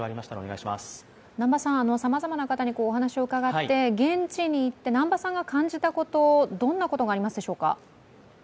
さまざまな方にお話を伺って現地に行って南波さんが感じたこと、どんなことがありますでしょうか？